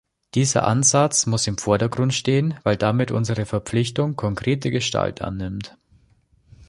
Dieser Ansatz muss im Vordergrund stehen, weil damit unsere Verpflichtung konkrete Gestalt annimmt.